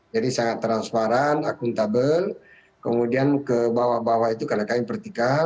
jadi sangat transparan akuntabel kemudian ke bawah bawah itu kan akan dipertikalkan